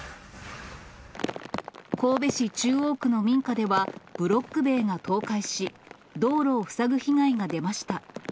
神戸市中央区の民家では、ブロック塀が倒壊し、道路を塞ぐ被害が出ました。